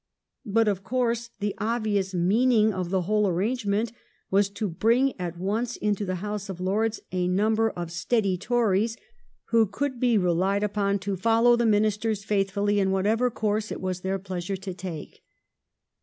But of course the obvious meaning of the whole arrange ment was to bring at once into the House of Lords a number of steady Tories, who could be relied upon to I2 116 THE EEIGN OF QUEEN ANNE. ch. xxvi. follow the Ministers faithfully in whatever course it was their pleasure to take.